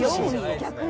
逆に。